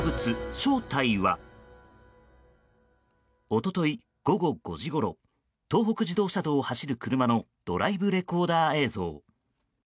一昨日午後５時ごろ東北自動車道を走る車のドライブレコーダー映像。